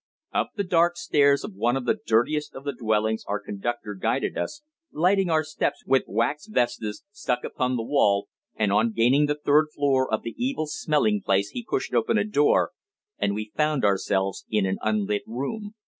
Up the dark stairs of one of the dirtiest of the dwellings our conductor guided us, lighting our steps with wax vestas, struck upon the wall, and on gaining the third floor of the evil smelling place he pushed open a door, and we found ourselves in an unlit room.